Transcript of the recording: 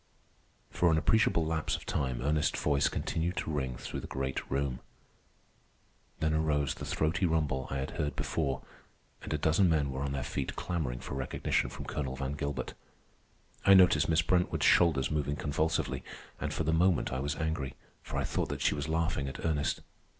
For an appreciable lapse of time Ernest's voice continued to ring through the great room. Then arose the throaty rumble I had heard before, and a dozen men were on their feet clamoring for recognition from Colonel Van Gilbert. I noticed Miss Brentwood's shoulders moving convulsively, and for the moment I was angry, for I thought that she was laughing at Ernest.